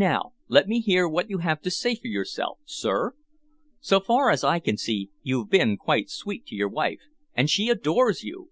"Now let me hear what you have to say for yourself, sir? So far as I can see, you've been quite sweet to your wife, and she adores you.